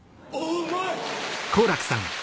うまい！